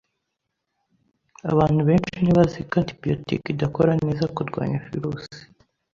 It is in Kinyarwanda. Abantu benshi ntibazi ko antibiyotike idakora neza kurwanya virusi.